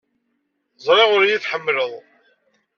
Ẓriɣ ur iyi-tḥemmleḍ.